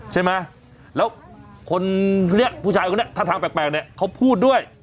ใช่ไหมแล้วคนนี้ผู้ชายคนนี้ท่าทางแปลกเนี่ยเขาพูดด้วย